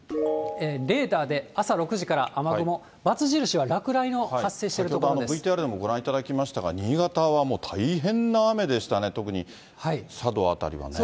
レーダーで朝６時から雨雲、×印ＶＴＲでもご覧いただきましたが、新潟はもう大変な雨でしたね、特に佐渡辺りはね。